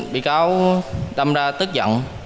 vị cáo đâm ra tức giận